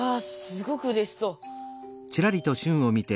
すごくうれしそう。